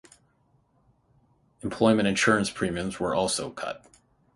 Employment Insurance premiums were also cut.